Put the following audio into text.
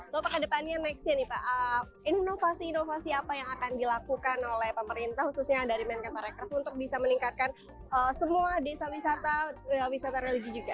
loh ke depannya next ya nih pak inovasi inovasi apa yang akan dilakukan oleh pemerintah khususnya dari menkata rekreasi untuk bisa meningkatkan semua desa wisata wisata religi juga